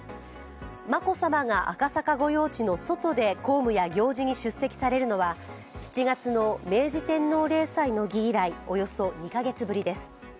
眞子さまが赤坂御用地の外で公務や行事に出席されるのは７月の明治天皇例祭の儀以来およそ２カ月ぶりです。